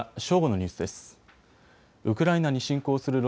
正午のニュースです。